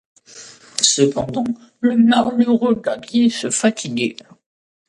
Cependant le malheureux gabier se fatiguait.